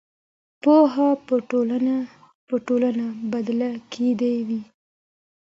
پوهه به ټولنه بدله کړې وي.